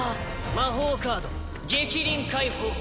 魔法カード激鱗解放。